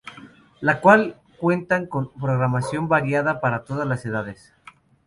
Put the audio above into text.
La cual cuenta con una programación variada para todas las edades.